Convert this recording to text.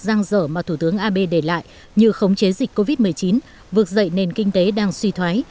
răng rở mà thủ tướng abe để lại như khống chế dịch covid một mươi chín vượt dậy nền kinh tế đang suy thoái